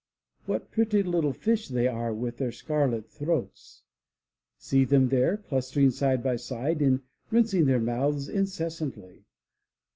What pretty little fish they are with their scarlet throats. See them there clustering side by side and rinsing their mouths incessantly.